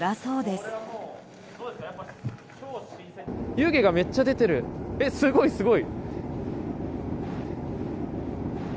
すごい、すごい。